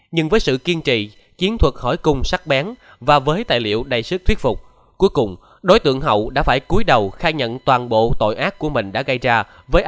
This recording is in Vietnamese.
nhưng với sự kiên trì chiến thuật hỏi cung sắc bén và với tài liệu đầy sức thuyết phục cuối cùng đối tượng hậu đã phải cuối đầu khai nhận toàn bộ tội ác của mình đã gây ra